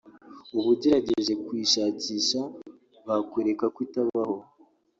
ubu ugerageje kuyishakisha bakwereka ko itabaho